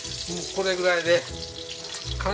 これぐらいで。